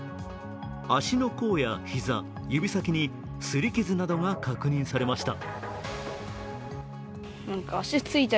足の甲や膝、指先にすり傷などが確認されました。